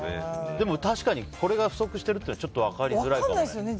でも、確かにこれが不足してるっていうのはちょっと分かりづらいね。